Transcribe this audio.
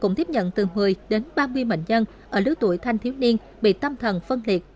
cũng tiếp nhận từ một mươi đến ba mươi bệnh nhân ở lứa tuổi thanh thiếu niên bị tâm thần phân liệt